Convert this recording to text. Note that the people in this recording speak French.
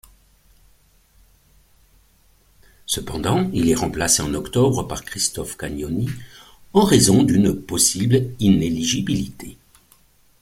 Cependant, il est remplacé en octobre par Christophe Canioni, en raison d'une possible inéligibilité.